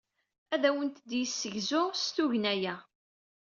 Ad awent-d-yessegzu s tugna-a.